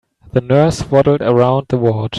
The nurse waddled around the ward.